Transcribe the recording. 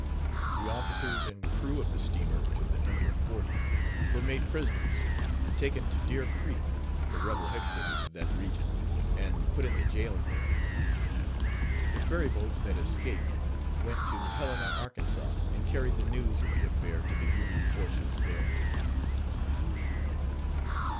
The officers and crew of the steamer to the number of forty were made prisoners, and taken to Deer Creek, the rebel headquarters of that region, and put in the jail there. The ferry boat that escaped went to Helena, Arkansas, and carried the news of the affair to the Union forces there.